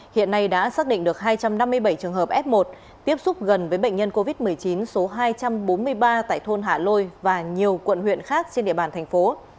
hiện nay đã xác định được hai trăm năm mươi bảy trường hợp f một tiếp xúc gần với bệnh nhân covid một mươi chín số hai trăm bốn mươi ba tại thôn hạ lôi và nhiều quận huyện khác trên địa bàn thành phố